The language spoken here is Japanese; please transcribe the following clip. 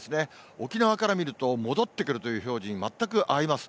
沖縄から見ると、戻ってくるという表示に全く合います。